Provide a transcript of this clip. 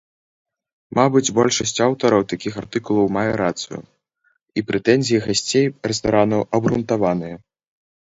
Мабыць, большасць аўтараў такіх артыкулаў мае рацыю, і прэтэнзіі гасцей рэстаранаў абгрунтаваныя.